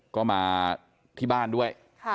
ก็มาที่บ้านด้วย